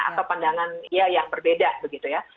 atau pandangan ya yang berbeda begitu ya